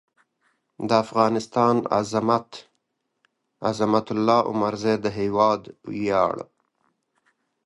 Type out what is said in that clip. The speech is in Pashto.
د افغانستان عظمت؛ عظمت الله عمرزی د هېواد وېاړ